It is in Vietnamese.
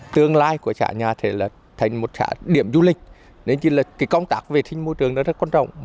tương lai của trả nhà thành một trả điểm du lịch nên công tác về thiên môi trường rất quan trọng